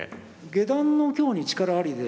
「下段の香に力あり」で。